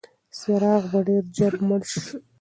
څراغ به ډېر ژر مړ شي.